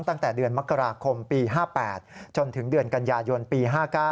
ตั้งแต่เดือนมกราคมปี๕๘จนถึงเดือนกันยายนปี๕๙